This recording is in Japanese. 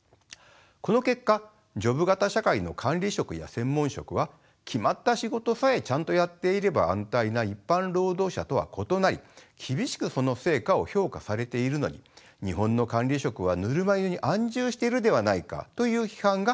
この結果ジョブ型社会の管理職や専門職は決まった仕事さえちゃんとやっていれば安泰な一般労働者とは異なり厳しくその成果を評価されているのに日本の管理職はぬるま湯に安住しているではないかという批判が繰り出されることになります。